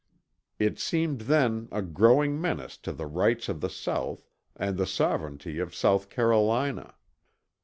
It seemed then a growing menace to the rights of the South and the sovereignty of South Carolina.